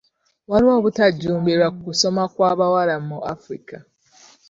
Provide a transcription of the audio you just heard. Waliwo obutajjumbira mu kusoma kw'abawala mu Africa.